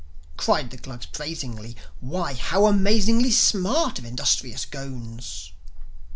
Cried the Glugs praisingly, "Why how amazingly Smart of industrious Ghones!"